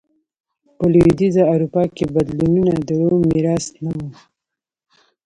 په لوېدیځه اروپا کې بدلونونه د روم میراث نه و